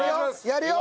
やるよ？